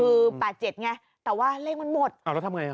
คือ๘๗ไงแต่ว่าเลขมันหมดอ่าแล้วทำไงอ่ะ